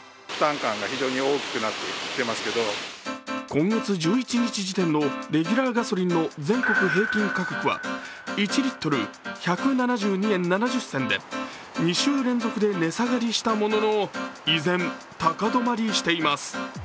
今月１１日時点のレギュラーガソリンの全国平均価格は１リットル１７２円７０銭で２週連続で値下がりしたものの依然、高止まりしています。